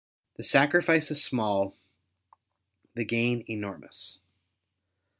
The sacrifice is small, the gain enormous.